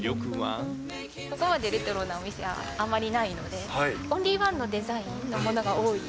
ここまでレトロなお店はあまりないので、オンリーワンのデザインのものが多い。